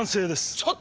ちょっと！